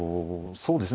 そうですね。